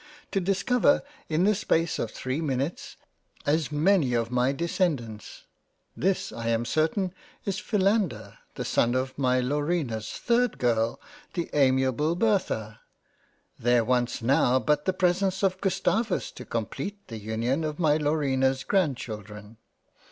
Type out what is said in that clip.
to discover in the space of 3 minutes, as many of my Descendants ! This, I am certain is Philander the son of my Laurina's 3 d girl the amiable Bertha ; there wants now but the presence of Gustavus to compleat the Union of my Laurina's Grand Children."